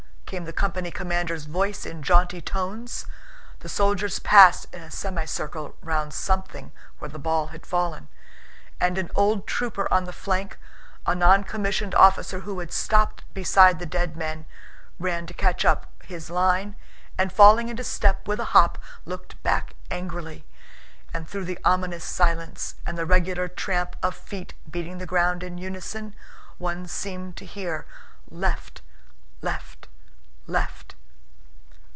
came the company commander's voice in jaunty tones. The soldiers passed in a semicircle round something where the ball had fallen, and an old trooper on the flank, a noncommissioned officer who had stopped beside the dead men, ran to catch up his line and, falling into step with a hop, looked back angrily, and through the ominous silence and the regular tramp of feet beating the ground in unison, one seemed to hear left... left... left.